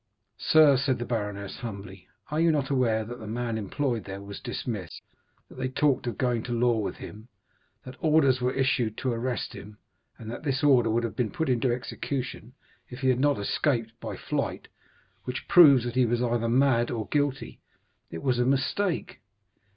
"Sir," said the baroness humbly, "are you not aware that the man employed there was dismissed, that they talked of going to law with him, that orders were issued to arrest him and that this order would have been put into execution if he had not escaped by flight, which proves that he was either mad or guilty? It was a mistake."